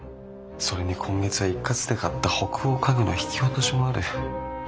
それに今月は一括で買った北欧家具の引き落としもある。